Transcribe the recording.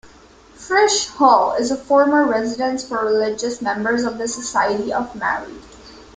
"Frische Hall" is a former residence for religious members of the Society of Mary.